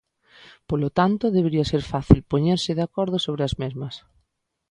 Polo tanto, debería ser fácil poñerse de acordo sobre as mesmas.